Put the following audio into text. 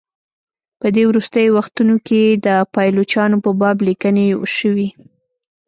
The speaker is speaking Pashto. په دې وروستیو وختونو کې د پایلوچانو په باب لیکني شوي.